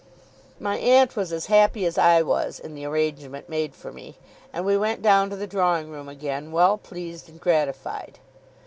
My aunt was as happy as I was, in the arrangement made for me; and we went down to the drawing room again, well pleased and gratified.